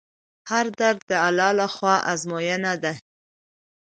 هر درد د الله له خوا ازموینه ده.